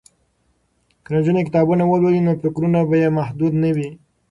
که نجونې کتابونه ولولي نو فکرونه به یې محدود نه وي.